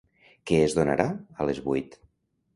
Què es donarà a les vuit?